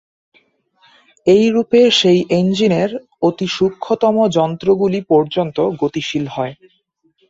এইরূপে সেই এঞ্জিনের অতি সূক্ষ্মতম যন্ত্রগুলি পর্যন্ত গতিশীল হয়।